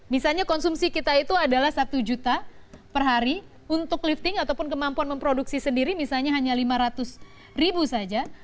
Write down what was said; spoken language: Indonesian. misalnya konsumsi kita itu adalah satu juta per hari untuk lifting ataupun kemampuan memproduksi sendiri misalnya hanya lima ratus ribu saja